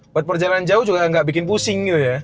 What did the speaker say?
buat perjalanan jauh juga nggak bikin pusing gitu ya